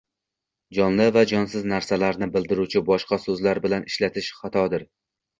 Jonli va jonsiz narsalarni bildiruvchi boshqa soʻzlar bilan ishlatish xatodir